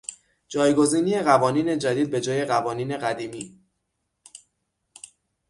جایگزینی قوانین جدید به جای قوانین قدیمی